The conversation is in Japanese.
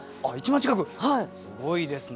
すごいですね。